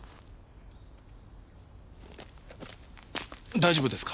大丈夫ですか？